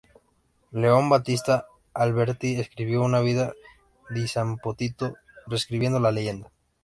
Leon Battista Alberti escribió una "Vida di San Potito", reescribiendo la leyenda.